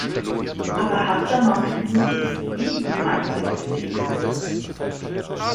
Aber Hatta mampfte nur vor sich hin und trank noch etwas Tee.